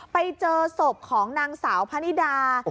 ไปเจอศพของนางสาวพะนิดา